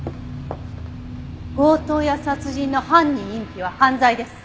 強盗や殺人の犯人隠避は犯罪です！